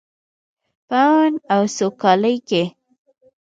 په امن او سوکالۍ کې.